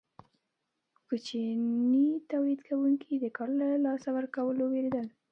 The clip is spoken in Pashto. کوچني تولید کوونکي د کار له لاسه ورکولو ویریدل.